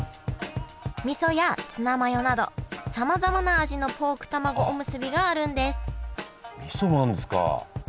みそやツナマヨなどさまざまな味のポークたまごおむすびがあるんですみそもあるんですか。